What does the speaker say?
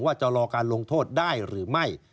ว่าจะรอการลงโทษได้หรือไม่